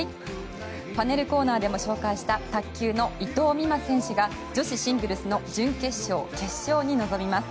パネルコーナーでも紹介した卓球の伊藤美誠選手が女子シングルスの準決勝、決勝に臨みます。